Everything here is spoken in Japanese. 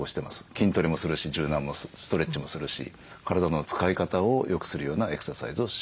筋トレもするし柔軟もするしストレッチもするし体の使い方をよくするようなエクササイズをします。